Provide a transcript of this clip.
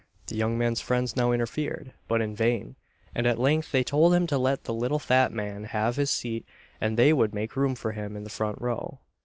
The young man's friends now interfered, but in vain; and at length they told him to let the little fat man have his seat, and they would make room for him in the front row.